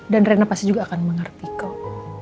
dan rena pasti juga akan mengerti kamu